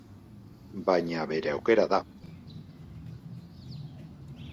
Baina bere aukera da.